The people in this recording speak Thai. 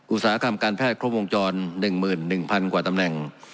อุตสาหกรรมการแพทย์ครบวงจรหนึ่งหมื่นหนึ่งพันกว่าตำแหน่ง